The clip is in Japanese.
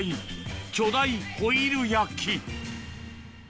巨大ホイル焼き。